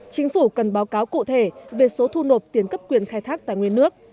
chính phủ cần báo cáo cụ thể về số thu nộp tiền cấp quyền khai thác tài nguyên nước